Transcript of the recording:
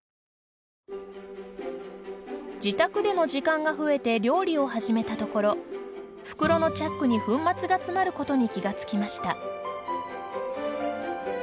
自宅での時間が増えて料理を始めたところ袋のチャックに粉末がつまることに気がつきました。